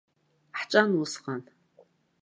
Ҳҿан усҟан.